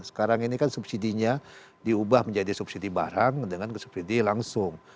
sekarang ini kan subsidinya diubah menjadi subsidi barang dengan subsidi langsung